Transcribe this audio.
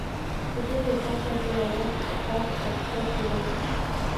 د ژبې زده کړه د یوه فرد شخصیت جوړوي.